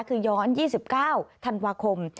คือย้อน๒๙ธันวาคม